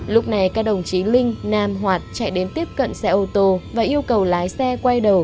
lúc này các đồng chí linh nam hoạt chạy đến tiếp cận xe ô tô và yêu cầu lái xe quay đầu